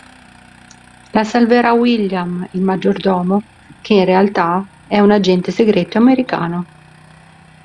La salverà William, il maggiordomo, che in realtà è un agente segreto americano.